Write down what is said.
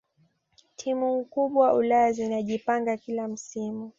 timu kubwa ulaya zinajipanga kila msimu